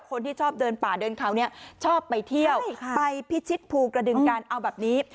คนที่ชอบเดินป่าเดินเขาเนี่ยชอบไปเที่ยวไปพิชิตภูกระดึงกันเอาแบบนี้